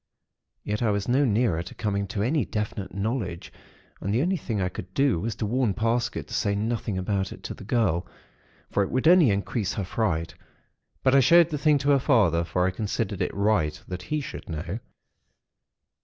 Yet I was no nearer to coming to any definite knowledge; and the only thing I could do was to warn Parsket to say nothing about it to the girl; for it would only increase her fright; but I showed the thing to her father, for I considered it right that he should know.